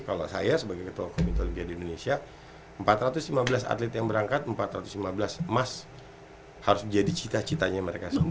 kalau saya sebagai ketua komite olimpia di indonesia empat ratus lima belas atlet yang berangkat empat ratus lima belas emas harus jadi cita citanya mereka semua